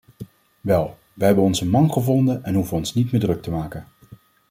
Wel, wij hebben onze man gevonden en hoeven ons niet meer druk te maken.